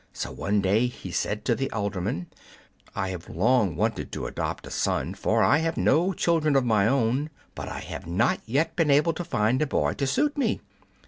So one day he said to the alderman, "I have long wanted to adopt a son, for I have no children of my own; but I have not yet been able to find a boy to suit me.